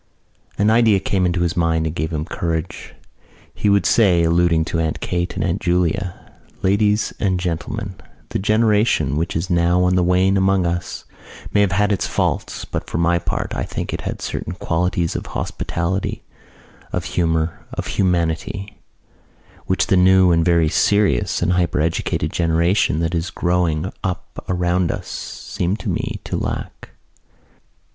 An idea came into his mind and gave him courage. He would say, alluding to Aunt Kate and Aunt Julia: "Ladies and Gentlemen, the generation which is now on the wane among us may have had its faults but for my part I think it had certain qualities of hospitality, of humour, of humanity, which the new and very serious and hypereducated generation that is growing up around us seems to me to lack."